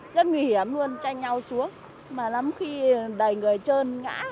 rất nguy hiểm luôn tranh nhau xuống mà lắm khi đầy người trơn ngã